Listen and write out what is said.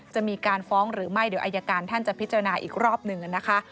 จะมีการฟ้องหรือไม่เดี๋ยวอายการท่านจะพิจารณาอีกรอบหนึ่งนะคะ